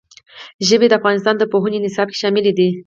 ژبې د افغانستان د پوهنې نصاب کې شامل دي.